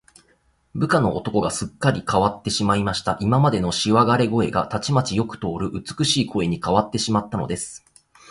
部下の男の声が、すっかりかわってしまいました。今までのしわがれ声が、たちまちよく通る美しい声にかわってしまったのです。